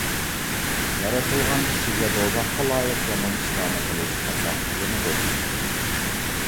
يارىتىلغان كىشىگە دوزاخقا لايىق يامان ئىشلارنى قىلىش ئاسان قىلىنىدۇ.